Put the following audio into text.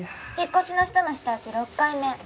引っ越しの人の舌打ち６回目。